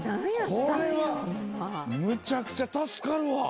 これはむちゃくちゃ助かるわ。